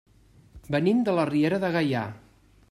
Venim de la Riera de Gaià.